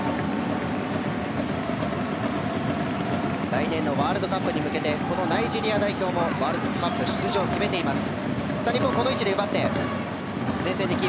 来年のワールドカップに向けてこのナイジェリア代表もワールドカップ出場を決めています。